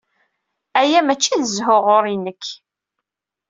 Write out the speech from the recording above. Aya mačči d zzhu ɣur-i nekk.